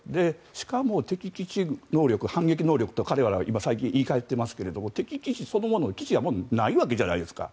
しかも敵基地能力反撃能力と彼らは最近言い換えていますが敵基地そのもの、基地はもうないわけじゃないですか。